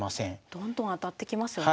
どんどん当たってきますよね。